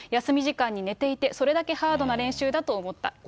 休み時間に寝ていて、それだけハードな練習だと思った。